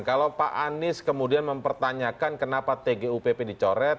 kalau pak anies kemudian mempertanyakan kenapa tgupp dicoret